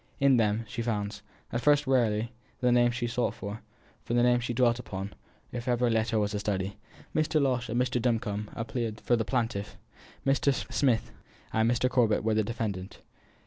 In them she found at first rarely the name she sought for, the name she dwelt upon, as if every letter were a study. Mr. Losh and Mr. Duncombe appeared for the plaintiff, Mr. Smythe and Mr. Corbet for the defendant.